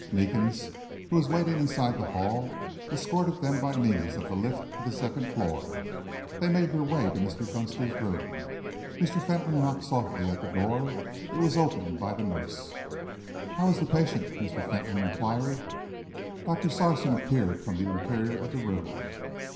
Meekins, who was waiting inside the hall, escorted them by means of the lift to the second floor. They made their way to Mr. Dunster's room. Mr. Fentolin knocked softly at the door. It was opened by the nurse. "How is the patient?" Mr. Fentolin enquired. Doctor Sarson appeared from the interior of the room.